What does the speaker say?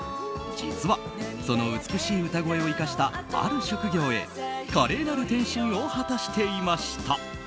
実はその美しい歌声を生かしたある職業へ華麗なる転身を果たしていました。